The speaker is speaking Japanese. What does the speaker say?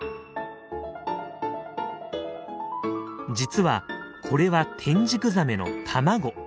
実はこれはテンジクザメの卵。